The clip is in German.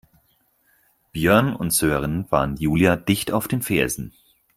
Björn und Sören waren Julia dicht auf den Fersen.